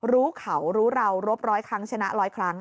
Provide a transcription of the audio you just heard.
รู้เขารู้เรารบร้อยครั้งชนะร้อยครั้ง